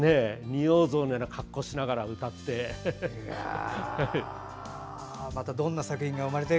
仁王像のような格好をしながら歌って。